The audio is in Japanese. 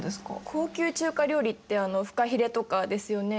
高級中華料理ってあのフカヒレとかですよね。